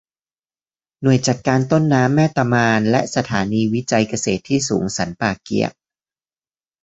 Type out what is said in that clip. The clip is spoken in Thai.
หน่วยจัดการต้นน้ำแม่ตะมาน และสถานีวิจัยเกษตรที่สูงสันป่าเกี๊ยะ